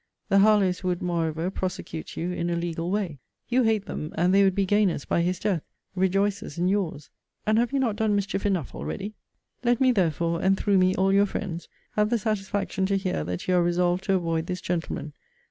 The Harlowes would, moreover, prosecute you in a legal way. You hate them; and they would be gainers by his death; rejoicers in your's And have you not done mischief enough already? Let me, therefore, (and through me all your friends,) have the satisfaction to hear that you are resolved to avoid this gentleman.